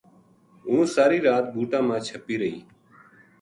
ہوں ساری رات بُوٹاں ما چھَپی رہی